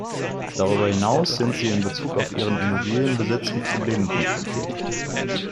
Darüber hinaus sind sie in Bezug auf ihren Immobilienbesitz mit Problemen konfrontiert.